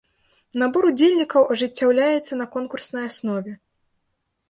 Набор удзельнікаў ажыццяўляецца на конкурснай аснове.